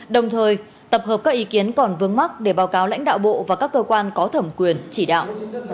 đồng thời tập hợp các ý kiến còn vương mắc để báo cáo lãnh đạo bộ và các cơ quan có thẩm quyền chỉ đạo